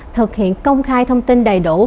thực hiện công khai thông tin đầy đủ